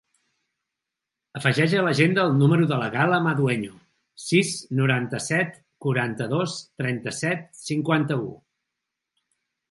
Afegeix a l'agenda el número de la Gal·la Madueño: sis, noranta-set, quaranta-dos, trenta-set, cinquanta-u.